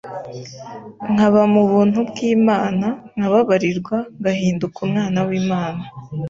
nkaba mu buntu bw’Imana, nkababarirwa ngahinduka umwana w’Imana.